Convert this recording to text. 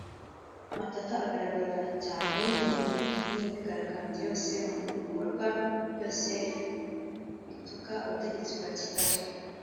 Matata agaragara cyane mu myigarambyo yose no mu bikorwa byose bituka ubutegetsi bwa Kigali